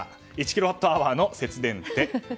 １キロワットアワーの節電って？